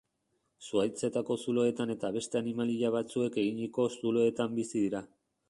Zuhaitzetako zuloetan eta beste animalia batzuek eginiko zuloetan bizi dira.